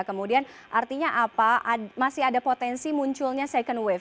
kemudian artinya apa masih ada potensi munculnya second wave